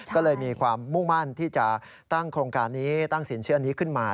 ก็เลยมีความมุ่งมั่นที่จะตั้งโครงการนี้ตั้งสินเชื่อนี้ขึ้นมา